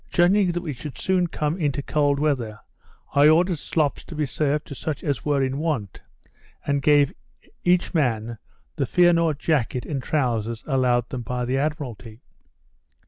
Judging that we should soon come into cold weather, I ordered slops to be served to such as were in want; and gave to each man the fearnought jacket and trowsers allowed them by the Admiralty.